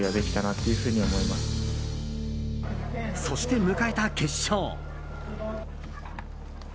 そして、迎えた決勝。